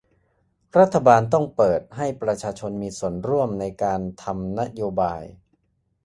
รัฐบาลต้องเปิดให้ประชาชนมีส่วนร่วมในการทำนโยบาย